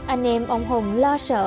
anh em ông hùng lo sợ